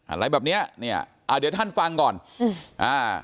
อะไรแบบเนี้ยเนี้ยอ่าเดี๋ยวท่านฟังก่อนอืมอ่า